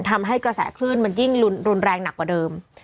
ทำให้กระแสคลื่นมันยิ่งรุนแรงหนักกว่าเดิม